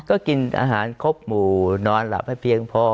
ก็กินอาหารครบหมู่นอนหลับให้เพียงพอ